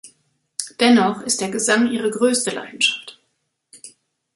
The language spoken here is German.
Dennoch ist der Gesang ihre grösste Leidenschaft.